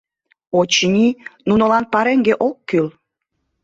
Очыни, нунылан пареҥге ок кӱл.